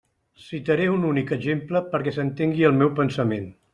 Citaré un únic exemple perquè s'entengui el meu pensament.